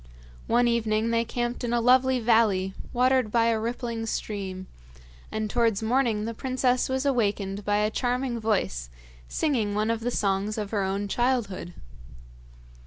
One evening they camped in a lovely valley watered by a rippling stream, and towards morning the princess was awakened by a charming voice singing one of the songs of her own childhood.